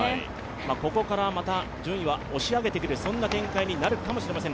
ここからまた順位を押し上げてくる展開になるかもしれません。